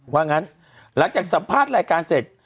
ว่างั้นหลังจากสัมภาษณ์รายการเสร็จ